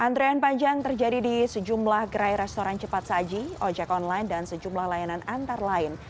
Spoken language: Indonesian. antrean panjang terjadi di sejumlah gerai restoran cepat saji ojek online dan sejumlah layanan antar lain